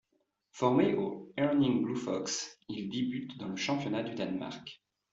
Formé au Herning Blue Fox, il débute dans le championnat du Danemark.